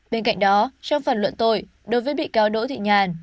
bên cạnh đó trong phần luận tội đối với bị cáo đỗ thị nhàn